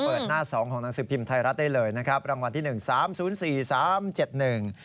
หน้าสองของหนังสือพิมพ์ไทยรัฐได้เลยนะครับรางวัลที่หนึ่งสามศูนย์สี่สามเจ็ดหนึ่ง